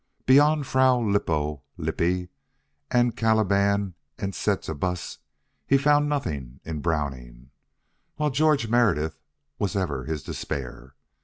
Beyond "Fra Lippo Lippi" and "Caliban and Setebos," he found nothing in Browning, while George Meredith was ever his despair.